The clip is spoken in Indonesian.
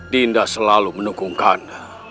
dinda selalu menunggung kanda